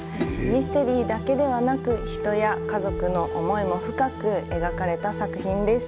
ミステリーだけではなく人や家族の思いも深く描かれた作品です。